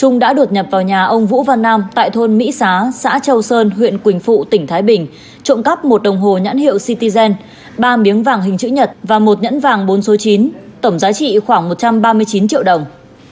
trung đã đột nhập vào nhà ông vũ văn nam tại thôn mỹ xá xã châu sơn huyện quỳnh phụ tỉnh thái bình trộm cắp một đồng hồ nhãn hiệu cityzen ba miếng vàng hình chữ nhật và một nhẫn vàng bốn số chín tổng giá trị khoảng một trăm ba mươi chín triệu đồng